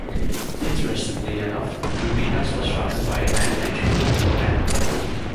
Interestingly enough, Rubino's was founded by a man named Rubin Cohen.